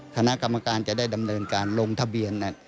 คณะกรรมการจะได้ดำเนินการลงทะเบียน